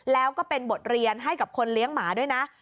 แล้วก็เป็นบทเรียนให้กับคนเลี้ยงหมาด้วยนะ